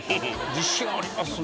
自信ありますね。